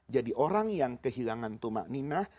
jadi orang yang kehilangan tumak ninah